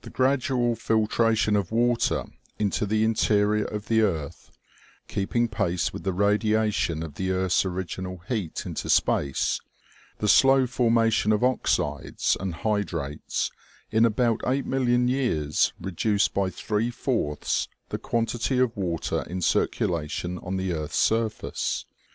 The gradual filtration of water into the interior of the earth, keeping pace with the radiation of the earth's orig inal heat into space, the slow formation of oxides and hydrates, in about eight million years reduced by three fourths the quantity of water in circulation on the earth's surface.